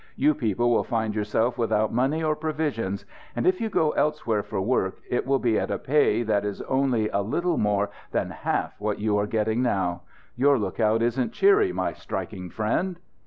You people will find yourself without money or provisions. And if you go elsewhere for work it will be at a pay that is only a little more than half what you are getting now. Your lookout isn't cheery, my striking friend!"